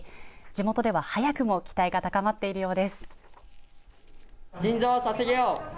地元では早くも期待が高まっているようです。